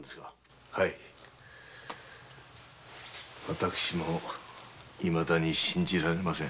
私もいまだに信じられません。